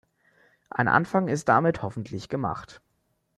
Ein Anfang ist damit hoffentlich gemacht.